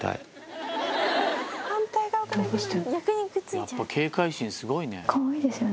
やっぱ警戒心すごいね。